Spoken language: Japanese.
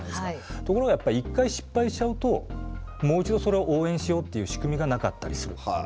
ところが１回失敗しちゃうともう一度それを応援しようっていう仕組みがなかったりする。